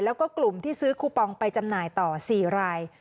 แล้วก็กลุ่มที่ซื้อคูปองไปจำหน่ายต่อ๔ราย